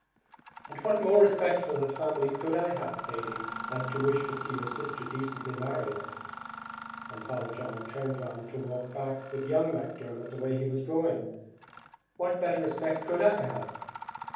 "And what more respect for the family could I have, Thady, than to wish to see your sister decently married?" and Father John turned round to walk back with young Macdermot the way he was going, "what better respect could I have?